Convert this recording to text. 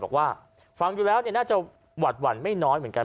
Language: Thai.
บอกว่าฟังดูแล้วน่าจะหวัดหวั่นไม่น้อยเหมือนกัน